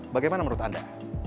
bagaimana menurut anda